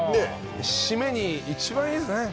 締めに一番いいですね。